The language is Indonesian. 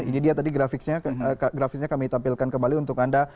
ini dia tadi grafisnya kami tampilkan kembali untuk anda